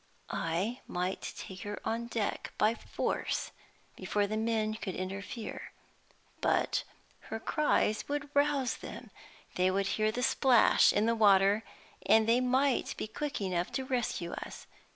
I might take her on deck by force before the men could interfere. But her cries would rouse them; they would hear the splash in the water, and they might be quick enough to rescue us.